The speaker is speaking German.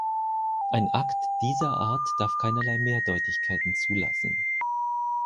Ein Akt dieser Art darf keinerlei Mehrdeutigkeiten zulassen.